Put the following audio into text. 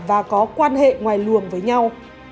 và có quan hệ ngoài luồng với nhau